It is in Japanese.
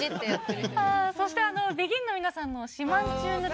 そしてＢＥＧＩＮの皆さんの『島人ぬ宝』